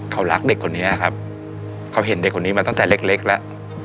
เขารักเด็กคนนี้ครับเขาเห็นเด็กคนนี้มาตั้งแต่เล็กแล้ว